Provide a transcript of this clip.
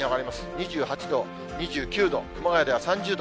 ２８度、２９度、熊谷では３０度。